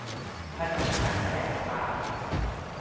พนันขันแข่งต่าง